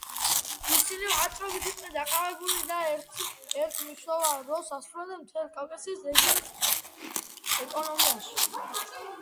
ისინი ვაჭრობით იყვნენ დაკავებულნი და ერთ-ერთ მნიშვნელოვან როლს ასრულებდნენ მთელი კავკასიის რეგიონის ეკონომიკაში.